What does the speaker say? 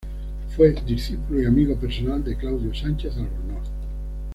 Fue discípulo y amigo personal de Claudio Sánchez Albornoz.